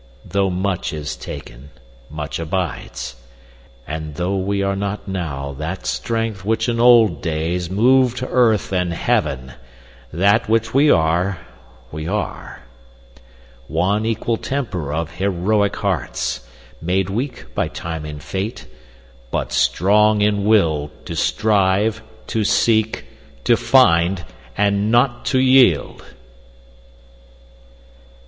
Tho' much is taken, much abides; and tho' We are not now that strength which in old days Moved earth and heaven, that which we are, we are; One equal temper of heroic hearts, Made weak by time and fate, but strong in will To strive, to seek, to find, and not to yield.